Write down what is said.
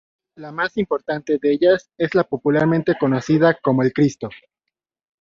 La más importante de ellas es la popularmente conocida como "El Cristo".